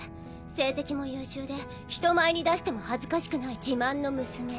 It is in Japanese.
成績も優秀で人前に出しても恥ずかしくない自慢の娘